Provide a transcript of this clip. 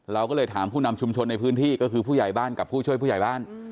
เราก็เลยถามผู้นำชุมชนในพื้นที่ก็คือผู้ใหญ่บ้านกับผู้ช่วยผู้ใหญ่บ้าน